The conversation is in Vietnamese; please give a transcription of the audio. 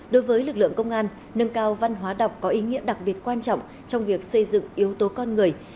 đối với lực lượng công an nâng cao văn hóa đọc có ý nghĩa đặc biệt quan trọng trong việc xây dựng yếu tố con người